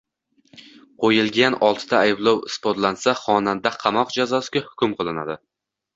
Qo‘yilgan oltita ayblov isbotlansa, xonanda qamoq jazosiga hukm qilinadi